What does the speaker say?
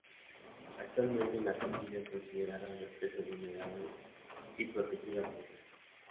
Actualmente en Argentina es considera una especie vulnerable y protegida por ley.